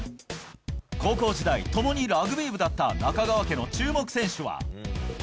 高校時代、共にラグビー部だった、中川家の注目選手は。